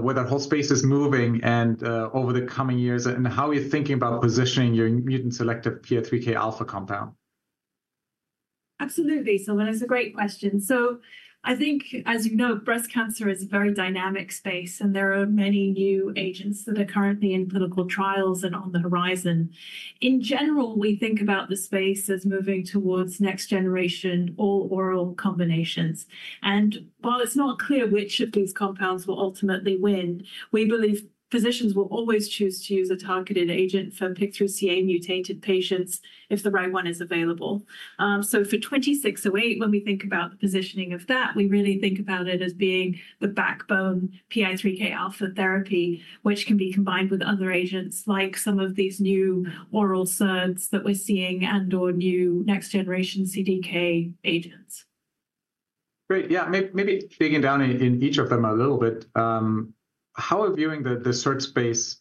Where that whole space is moving over the coming years, and how are you thinking about positioning your mutant selective PI3Kα compound? Absolutely, Simon, that's a great question. So I think, as you know, breast cancer is a very dynamic space, and there are many new agents that are currently in clinical trials and on the horizon. In general, we think about the space as moving towards next generation all-oral combinations. And while it's not clear which of these compounds will ultimately win, we believe physicians will always choose to use a targeted agent for PIK3CA-mutated patients if the right one is available. So for RLY-2608, when we think about the positioning of that, we really think about it as being the backbone PI3Kα therapy, which can be combined with other agents like some of these new oral SERDs that we're seeing and/or new next generation CDK agents. Great. Yeah, maybe digging down in each of them a little bit. How are you viewing the SERD space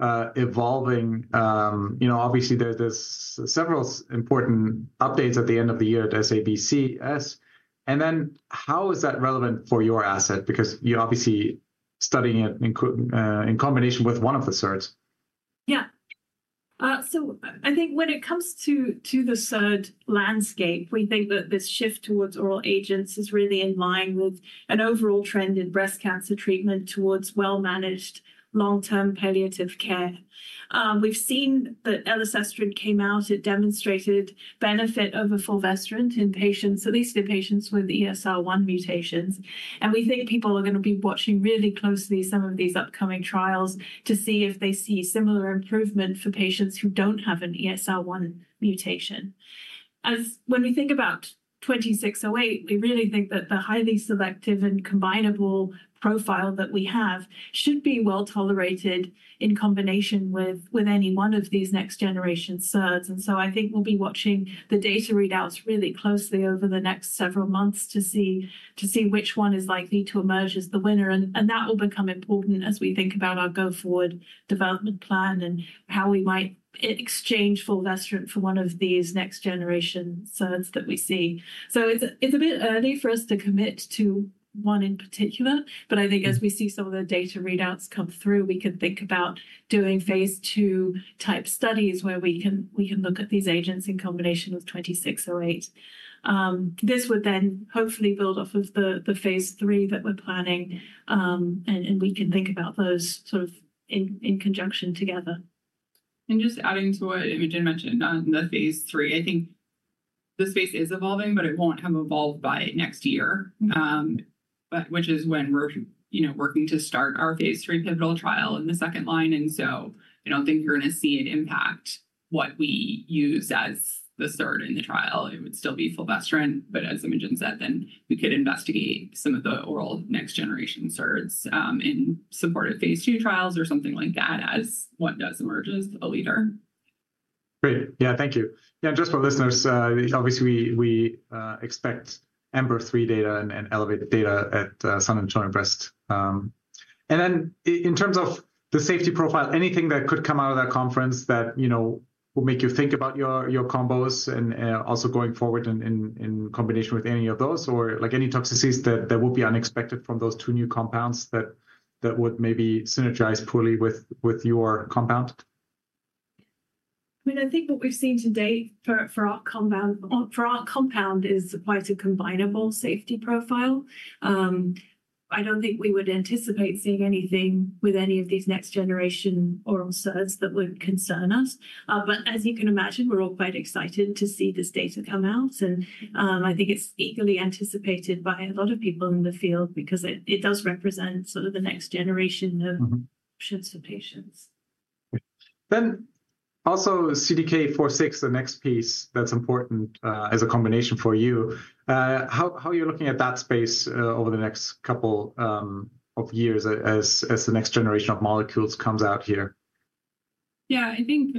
evolving? Obviously, there's several important updates at the end of the year at SABCS. And then how is that relevant for your asset? Because you're obviously studying it in combination with one of the SERDs. Yeah. So I think when it comes to the SERD landscape, we think that this shift towards oral agents is really in line with an overall trend in breast cancer treatment towards well-managed long-term palliative care. We've seen that elacestrant came out. It demonstrated benefit over fulvestrant in patients, at least in patients with ESR1 mutations. And we think people are going to be watching really closely some of these upcoming trials to see if they see similar improvement for patients who don't have an ESR1 mutation. When we think about RLY-2608, we really think that the highly selective and combinable profile that we have should be well tolerated in combination with any one of these next generation SERDs. And so I think we'll be watching the data readouts really closely over the next several months to see which one is likely to emerge as the winner. And that will become important as we think about our go-forward development plan and how we might exchange fulvestrant for one of these next-generation SERDs that we see. So it's a bit early for us to commit to one in particular, but I think as we see some of the data readouts come through, we can think about doing phase two type studies where we can look at these agents in combination with RLY-2608. This would then hopefully build off of the phase III that we're planning, and we can think about those sort of in conjunction together. And just adding to what Imogen mentioned on the phase III, I think the space is evolving, but it won't have evolved by next year, which is when we're working to start our phase III pivotal trial in the second-line. And so I don't think you're going to see an impact what we use as the SERD in the trial. It would still be fulvestrant, but as Imogen said, then we could investigate some of the oral next generation SERDs in supported phase II trials or something like that as what does emerge as a leader. Great. Yeah, thank you. Yeah, just for listeners, obviously, we expect EMBER-3 data and ELEVATE data at San Antonio Breast Cancer Symposium. And then in terms of the safety profile, anything that could come out of that conference that will make you think about your combos and also going forward in combination with any of those or any toxicities that would be unexpected from those two new compounds that would maybe synergize poorly with your compound? I mean, I think what we've seen to date for our compound is quite a combinable safety profile. I don't think we would anticipate seeing anything with any of these next generation oral SERDs that would concern us. But as you can imagine, we're all quite excited to see this data come out, and I think it's eagerly anticipated by a lot of people in the field because it does represent sort of the next generation of options for patients. Then also CDK4/6, the next piece that's important as a combination for you. How are you looking at that space over the next couple of years as the next generation of molecules comes out here? Yeah, I think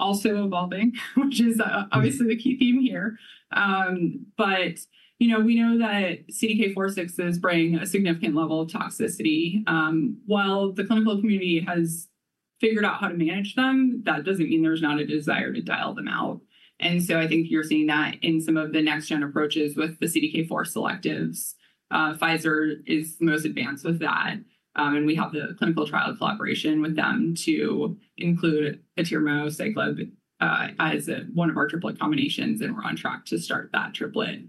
also evolving, which is obviously the key theme here. But we know that CDK4/6 is bringing a significant level of toxicity. While the clinical community has figured out how to manage them, that doesn't mean there's not a desire to dial them out. And so I think you're seeing that in some of the next gen approaches with the CDK4 selectives. Pfizer is most advanced with that. And we have the clinical trial collaboration with them to include atirmociclib as one of our triplet combinations. And we're on track to start that triplet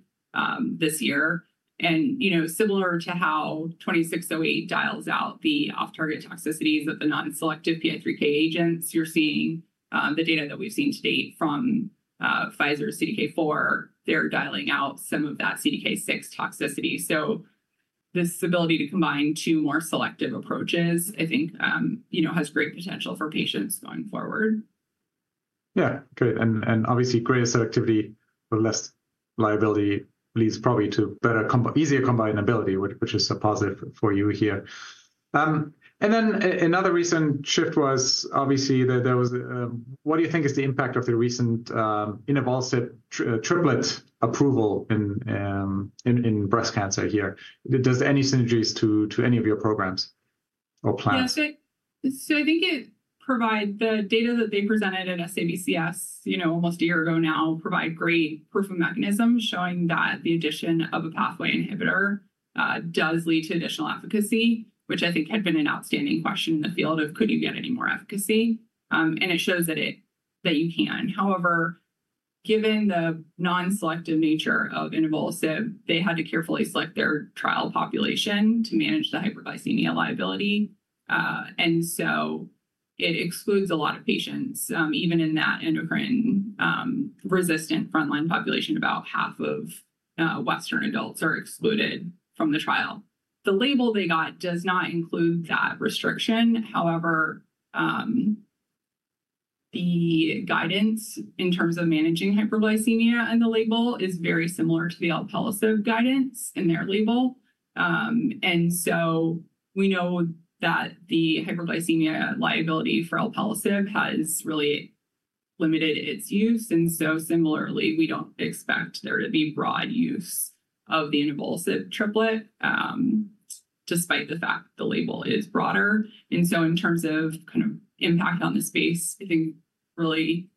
this year. And similar to how RLY-2608 dials out the off-target toxicities of the non-selective PI3K agents, you're seeing the data that we've seen to date from Pfizer's CDK4, they're dialing out some of that CDK6 toxicity. So this ability to combine two more selective approaches, I think, has great potential for patients going forward. Yeah, great. And obviously, greater selectivity with less liability leads probably to easier combinability, which is a positive for you here. And then another recent shift was obviously. What do you think is the impact of the recent inavolisib triplet approval in breast cancer here? Does it have any synergies to any of your programs or plans? Yeah, so I think it provides the data that they presented at SABCS almost a year ago now provide great proof of mechanism showing that the addition of a pathway inhibitor does lead to additional efficacy, which I think had been an outstanding question in the field of could you get any more efficacy? And it shows that you can. However, given the non-selective nature of inavolisib, they had to carefully select their trial population to manage the hyperglycemia liability. And so it excludes a lot of patients. Even in that endocrine resistant frontline population, about half of Western adults are excluded from the trial. The label they got does not include that restriction. However, the guidance in terms of managing hyperglycemia and the label is very similar to the alpelisib guidance in their label. And so we know that the hyperglycemia liability for alpelisib has really limited its use. And so similarly, we don't expect there to be broad use of the inavolisib triplet despite the fact the label is broader. And so in terms of kind of impact on the space, I think really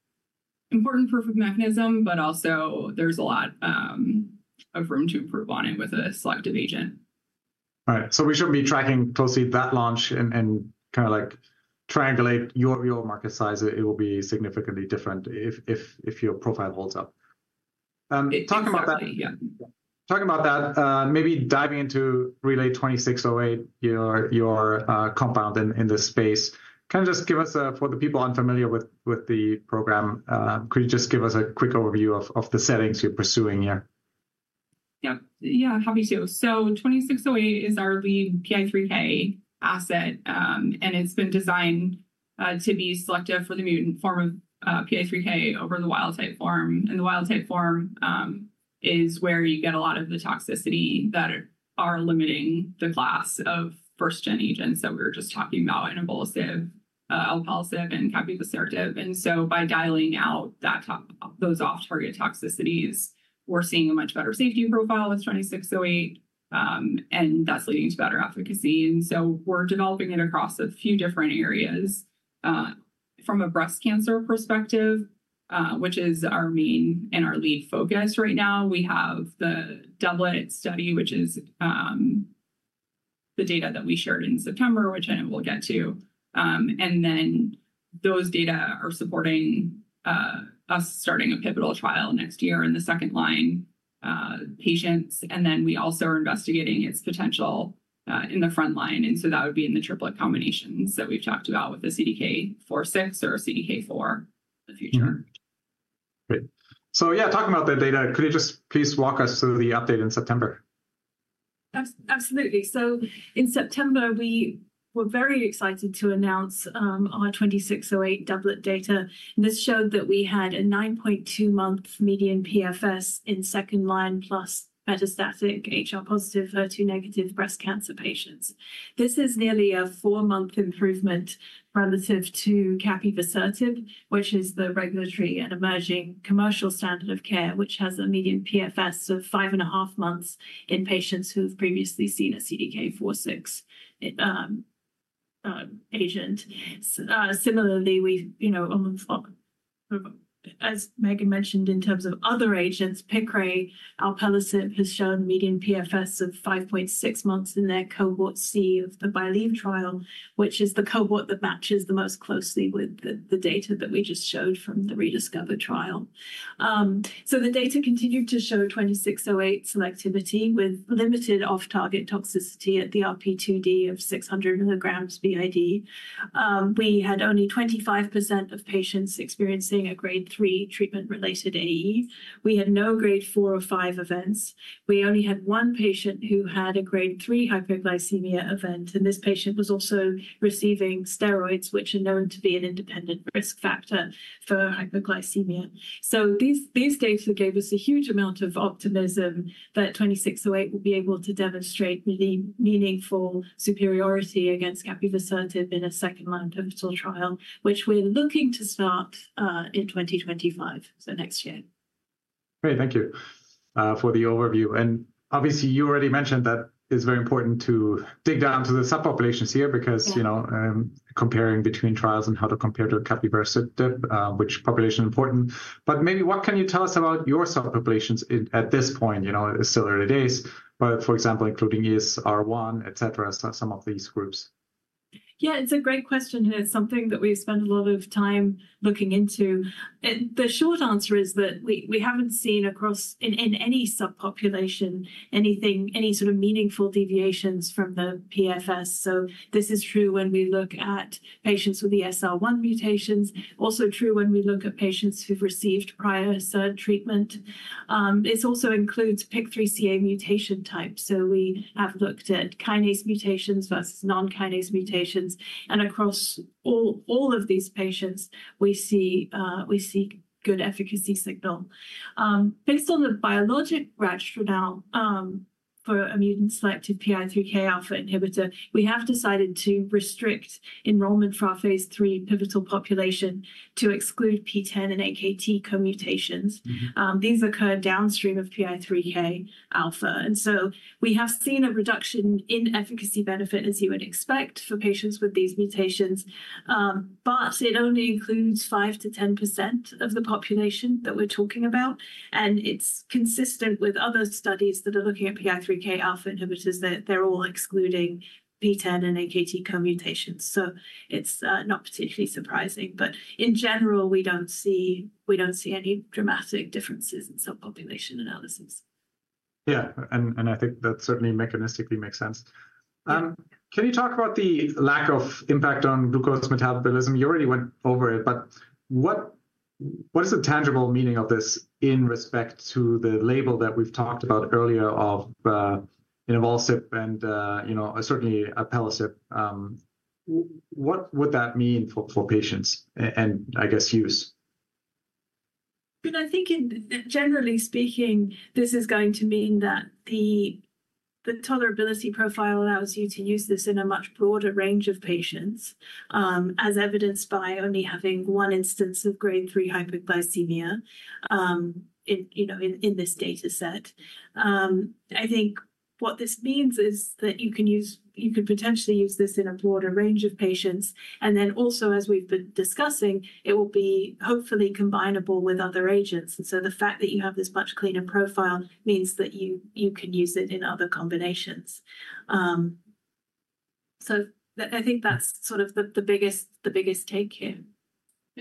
important proof of mechanism, but also there's a lot of room to improve on it with a selective agent. All right. So we should be tracking closely that launch and kind of like triangulate your market size. It will be significantly different if your profile holds up. Talking about that, maybe diving into RLY-2608, your compound in this space. Can you just give us, for the people unfamiliar with the program, could you just give us a quick overview of the settings you're pursuing here? Yeah, yeah, happy to. So RLY-2608 is our lead PI3K asset. And it's been designed to be selective for the mutant form of PI3K over the wild type form. And the wild type form is where you get a lot of the toxicity that are limiting the class of first gen agents that we were just talking about, inavolisib, alpelisib, and capivasertib. And so by dialing out those off-target toxicities, we're seeing a much better safety profile with RLY-2608. And that's leading to better efficacy. And so we're developing it across a few different areas. From a breast cancer perspective, which is our main and our lead focus right now, we have the doublet study, which is the data that we shared in September, which I know we'll get to. And then those data are supporting us starting a pivotal trial next year in the second-line patients. And then we also are investigating its potential in the front line. And so that would be in the triplet combinations that we've talked about with the CDK4/6 or CDK4 in the future. Great. So yeah, talking about that data, could you just please walk us through the update in September? Absolutely. So in September, we were very excited to announce our RLY-2608 doublet data. And this showed that we had a 9.2-month median PFS in second-line plus metastatic HR+/HER2- breast cancer patients. This is nearly a four-month improvement relative to capivasertib, which is the regulatory and emerging commercial standard of care, which has a median PFS of 5 in patients who have previously seen a CDK4/6 agent. Similarly, as Megan mentioned, in terms of other agents, Piqray, alpelisib has shown median PFS of 5.6 months in their Cohort C of the BYLieve trial, which is the cohort that matches the most closely with the data that we just showed from the ReDiscover trial. So the data continued to show RLY-2608 selectivity with limited off-target toxicity at the RP2D of 600 mg BID. We had only 25% of patients experiencing a grade three treatment related AE. We had no Grade 4 or 5 events. We only had one patient who had a Grade 3 hyperglycemia event, and this patient was also receiving steroids, which are known to be an independent risk factor for hyperglycemia, so these data gave us a huge amount of optimism that RLY-2608 will be able to demonstrate really meaningful superiority against capivasertib in a second-line pivotal trial, which we're looking to start in 2025, so next year. Great, thank you for the overview. And obviously, you already mentioned that it's very important to dig down to the subpopulations here because comparing between trials and how to compare to capivasertib, which population is important. But maybe what can you tell us about your subpopulations at this point? It's still early days, but for example, including ESR1, et cetera, some of these groups. Yeah, it's a great question. And it's something that we spend a lot of time looking into. The short answer is that we haven't seen, across, in any subpopulation any sort of meaningful deviations from the PFS. So this is true when we look at patients with ESR1 mutations, also true when we look at patients who've received prior SERD treatment. This also includes PIK3CA mutation types. So we have looked at kinase mutations versus non-kinase mutations. And across all of these patients, we see good efficacy signal. Based on the biologic rationale for a mutant selective PI3Kα inhibitor, we have decided to restrict enrollment for our phase III pivotal population to exclude PTEN and AKT co-mutations. These occur downstream of PI3Kα. And so we have seen a reduction in efficacy benefit, as you would expect, for patients with these mutations. But it only includes 5%-10% of the population that we're talking about. And it's consistent with other studies that are looking at PI3Kα inhibitors that they're all excluding PTEN and AKT co-mutations. So it's not particularly surprising. But in general, we don't see any dramatic differences in subpopulation analysis. Yeah, and I think that certainly mechanistically makes sense. Can you talk about the lack of impact on glucose metabolism? You already went over it, but what is the tangible meaning of this in respect to the label that we've talked about earlier of inavolisib and certainly alpelisib? What would that mean for patients and I guess use? I think generally speaking, this is going to mean that the tolerability profile allows you to use this in a much broader range of patients, as evidenced by only having one instance of grade three hyperglycemia in this data set. I think what this means is that you can potentially use this in a broader range of patients, and then also, as we've been discussing, it will be hopefully combinable with other agents, and so the fact that you have this much cleaner profile means that you can use it in other combinations, so I think that's sort of the biggest take here.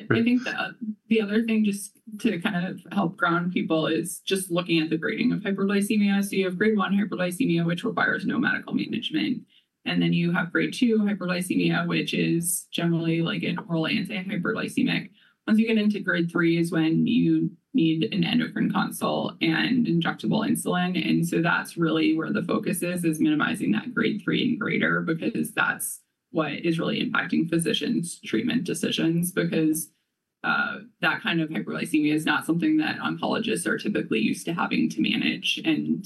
I think the other thing just to kind of help ground people is just looking at the grading of hyperglycemia. So you have grade one hyperglycemia, which requires no medical management. And then you have grade two hyperglycemia, which is generally like an oral antihyperglycemic. Once you get into grade three is when you need an endocrine consult and injectable insulin. And so that's really where the focus is, is minimizing that Grade 3 and greater because that's what is really impacting physicians' treatment decisions because that kind of hyperglycemia is not something that oncologists are typically used to having to manage and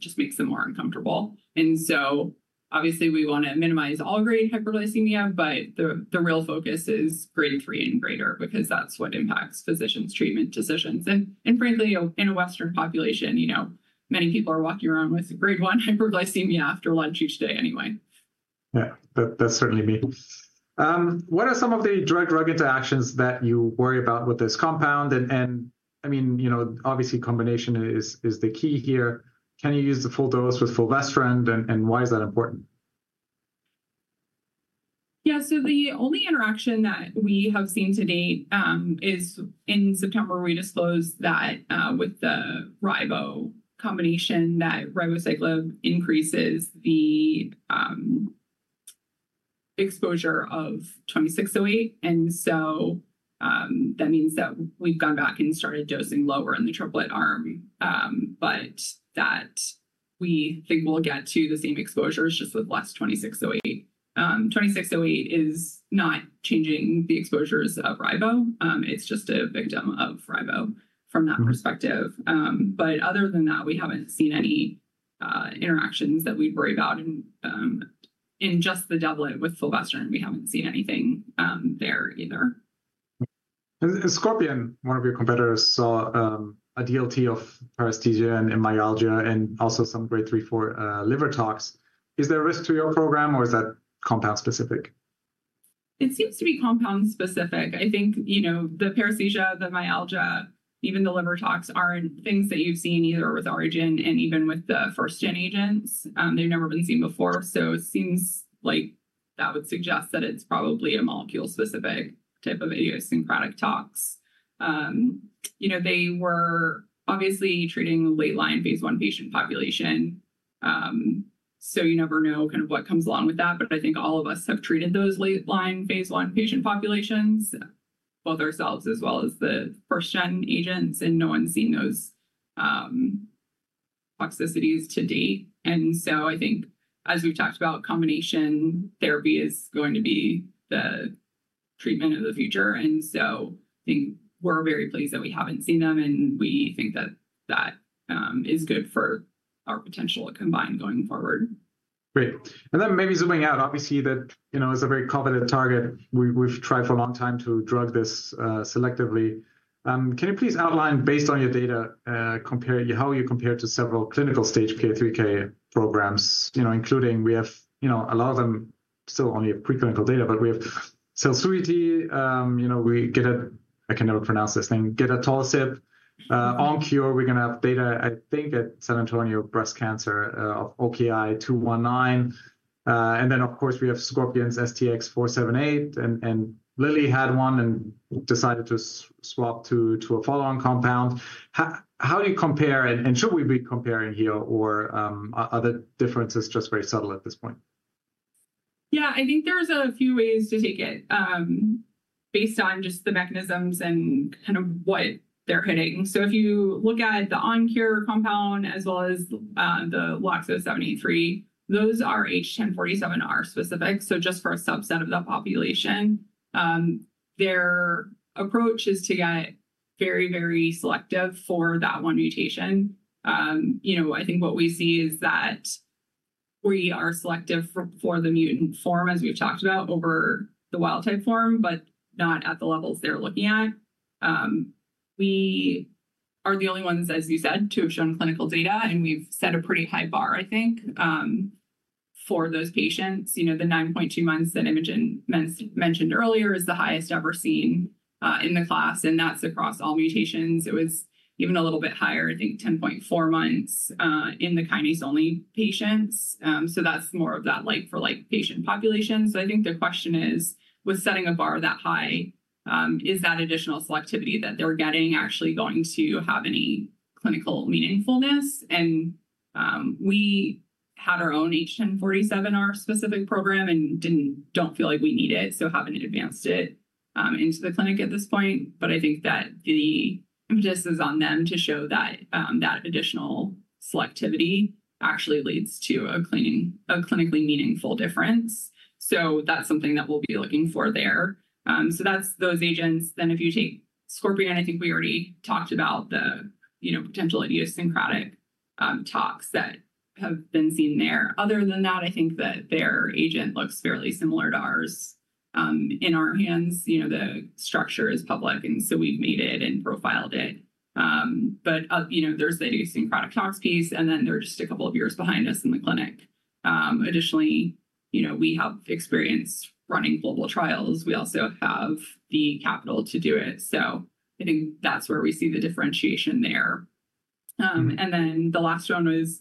just makes them more uncomfortable. And so obviously, we want to minimize all grade hyperglycemia, but the real focus is grade three and greater because that's what impacts physicians' treatment decisions. Frankly, in a Western population, many people are walking around with Grade 1 hyperglycemia after lunch each day anyway. Yeah, that's certainly me. What are some of the drug-drug interactions that you worry about with this compound? And I mean, obviously, combination is the key here. Can you use the full dose with fulvestrant? And why is that important? Yeah, so the only interaction that we have seen to date is in September, we disclosed that with the ribo combination, that ribociclib increases the exposure of RLY-2608. And so that means that we've gone back and started dosing lower in the triplet arm. But that we think we'll get to the same exposures just with less RLY-2608. RLY-2608 is not changing the exposures of ribo. It's just a victim of ribo from that perspective. But other than that, we haven't seen any interactions that we'd worry about. And in just the doublet with fulvestrant, we haven't seen anything there either. Scorpion, one of your competitors, saw a DLT of paresthesia and myalgia and also some grade three, four liver tox. Is there a risk to your program or is that compound specific? It seems to be compound-specific. I think the paresthesia, the myalgia, even the liver tox aren't things that you've seen either with inavolisib and even with the first-gen agents. They've never been seen before. So it seems like that would suggest that it's probably a molecule-specific type of idiosyncratic tox. They were obviously treating late-line phase I patient population. So you never know kind of what comes along with that. But I think all of us have treated those late-line phase I patient populations, both ourselves as well as the first-gen agents. And no one's seen those toxicities to date. And so I think as we've talked about, combination therapy is going to be the treatment of the future. And so I think we're very pleased that we haven't seen them. We think that that is good for our potential to combine going forward. Great. And then maybe zooming out, obviously, that is a very confident target. We've tried for a long time to drug this selectively. Can you please outline, based on your data, how you compare to several clinical stage PI3K programs, including we have a lot of them still only have preclinical data, but we have Celcuity. We get a, I can never pronounce this thing, gedatolisib. OnKure, we're going to have data, I think, at San Antonio Breast Cancer of OKI-219. And then, of course, we have Scorpion's STX-478. And Lilly had one and decided to swap to a follow-on compound. How do you compare? And should we be comparing here or are the differences just very subtle at this point? Yeah, I think there's a few ways to take it based on just the mechanisms and kind of what they're hitting. So if you look at the OnKure compound as well as the LOXO-783, those are H1047R specific. So just for a subset of the population, their approach is to get very, very selective for that one mutation. I think what we see is that we are selective for the mutant form, as we've talked about, over the wild type form, but not at the levels they're looking at. We are the only ones, as you said, to have shown clinical data. And we've set a pretty high bar, I think, for those patients. The 9.2 months that Imogen mentioned earlier is the highest ever seen in the class. And that's across all mutations. It was even a little bit higher, I think, 10.4 months in the kinase-only patients. So that's more of that like-for-like patient population. So I think the question is, with setting a bar that high, is that additional selectivity that they're getting actually going to have any clinical meaningfulness? And we had our own H1047R specific program and don't feel like we need it. So haven't advanced it into the clinic at this point. But I think that the emphasis is on them to show that that additional selectivity actually leads to a clinically meaningful difference. So that's something that we'll be looking for there. So that's those agents. Then if you take Scorpion, I think we already talked about the potential idiosyncratic tox that have been seen there. Other than that, I think that their agent looks fairly similar to ours. In our hands, the structure is public. And so we've made it and profiled it. But there's the idiosyncratic tox piece. Then they're just a couple of years behind us in the clinic. Additionally, we have experience running global trials. We also have the capital to do it. So I think that's where we see the differentiation there. Then the last one was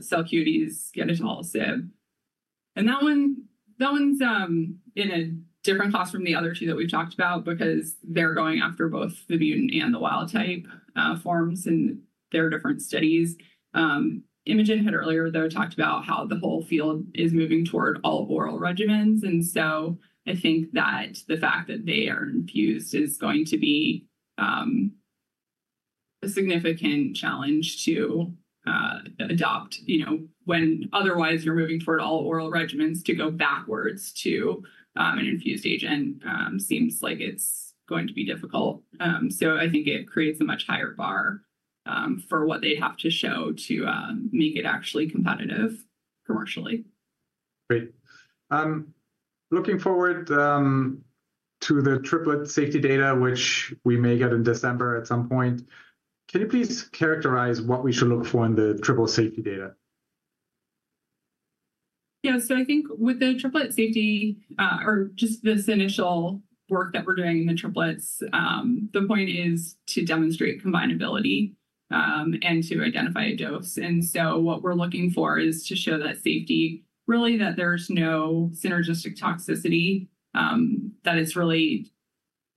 Celcuity's gedatolisib. That one's in a different class from the other two that we've talked about because they're going after both the mutant and the wild type forms in their different studies. Imogen had earlier, though, talked about how the whole field is moving toward all oral regimens. So I think that the fact that they are infused is going to be a significant challenge to adopt. When otherwise you're moving toward all oral regimens, to go backwards to an infused agent seems like it's going to be difficult. So I think it creates a much higher bar for what they have to show to make it actually competitive commercially. Great. Looking forward to the triplet safety data, which we may get in December at some point, can you please characterize what we should look for in the triple safety data? Yeah, so I think with the triplet safety or just this initial work that we're doing in the triplets, the point is to demonstrate combinability and to identify a dose, and so what we're looking for is to show that safety, really, that there's no synergistic toxicity, that it's really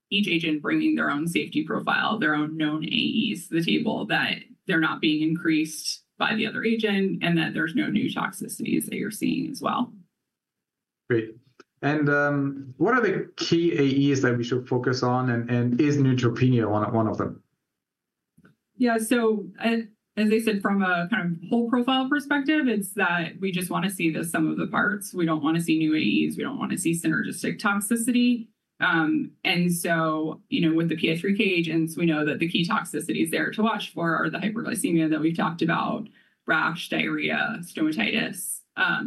each agent bringing their own safety profile, their own known AEs to the table, that they're not being increased by the other agent, and that there's no new toxicities that you're seeing as well. Great. And what are the key AEs that we should focus on? And is neutropenia one of them? Yeah, so as I said, from a kind of whole profile perspective, it's that we just want to see some of the parts. We don't want to see new AEs. We don't want to see synergistic toxicity. And so with the PI3K agents, we know that the key toxicities there to watch for are the hyperglycemia that we've talked about, rash, diarrhea, stomatitis.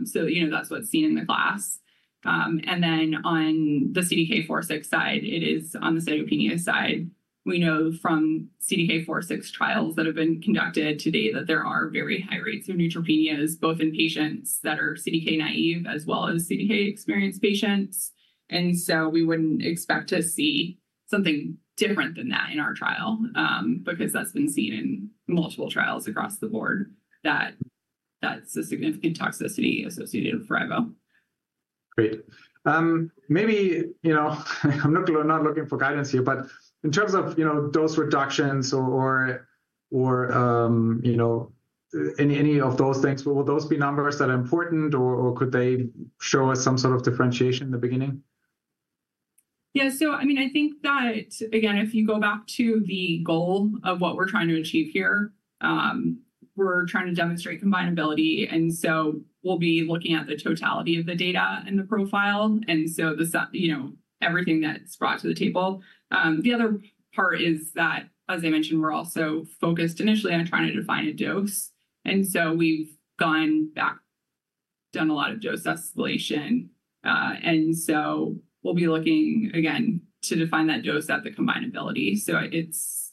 So that's what's seen in the class. And then on the CDK4/6 side, it is on the cytopenia side. We know from CDK4/6 trials that have been conducted to date that there are very high rates of neutropenias, both in patients that are CDK naive as well as CDK experienced patients. And so we wouldn't expect to see something different than that in our trial because that's been seen in multiple trials across the board that that's a significant toxicity associated with ribo. Great. Maybe I'm not looking for guidance here, but in terms of dose reductions or any of those things, will those be numbers that are important or could they show us some sort of differentiation in the beginning? Yeah, so I mean, I think that, again, if you go back to the goal of what we're trying to achieve here, we're trying to demonstrate combinability. And so we'll be looking at the totality of the data and the profile and so everything that's brought to the table. The other part is that, as I mentioned, we're also focused initially on trying to define a dose. And so we've gone back, done a lot of dose escalation. And so we'll be looking, again, to define that dose at the combinability. So it's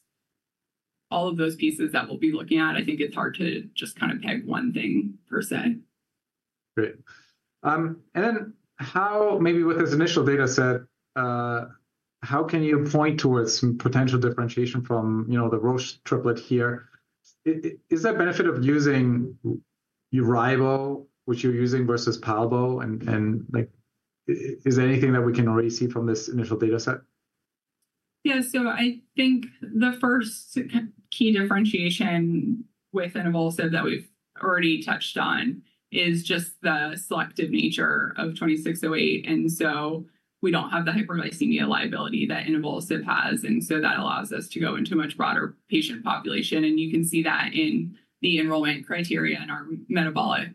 all of those pieces that we'll be looking at. I think it's hard to just kind of peg one thing per se. Great. And then maybe with this initial data set, how can you point towards some potential differentiation from the Roche triplet here? Is there a benefit of using your ribo, which you're using, versus palbo? And is there anything that we can already see from this initial data set? Yeah, so I think the first key differentiation with Inavolisib that we've already touched on is just the selective nature of RLY-2608. And so we don't have the hyperglycemia liability that inavolisib has. And so that allows us to go into a much broader patient population. And you can see that in the enrollment criteria and our metabolic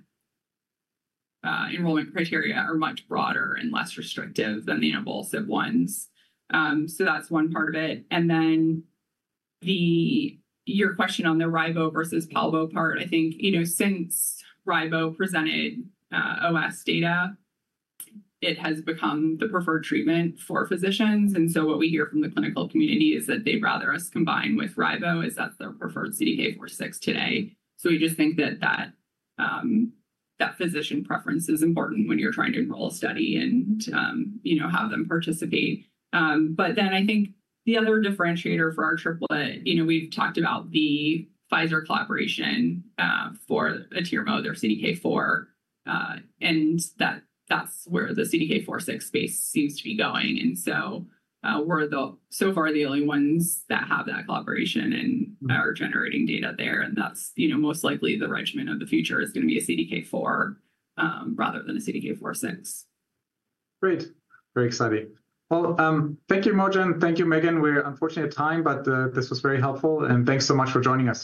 enrollment criteria are much broader and less restrictive than the inavolisib ones. So that's one part of it. And then your question on the ribo versus palbo part, I think since ribo presented OS data, it has become the preferred treatment for physicians. And so what we hear from the clinical community is that they'd rather us combine with ribo as that's their preferred CDK4/6 today. So we just think that that physician preference is important when you're trying to enroll a study and have them participate. But then I think the other differentiator for our triplet. We've talked about the Pfizer collaboration for atirmociclib or CDK4. And that's where the CDK4/6 space seems to be going. And so we're so far the only ones that have that collaboration and are generating data there. And that's most likely the regimen of the future is going to be a CDK4 rather than a CDK4/6. Great. Very exciting. Well, thank you, Imogen. Thank you, Megan. We're unfortunately at time, but this was very helpful, and thanks so much for joining us.